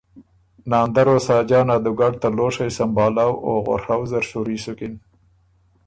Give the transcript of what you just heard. ناندر او ساجان ا دُوګډ ته لوشئ سمبهالؤ او غوَڒؤ زر شُوري سُکِن۔